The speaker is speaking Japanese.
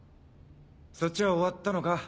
そっちは終わったのか？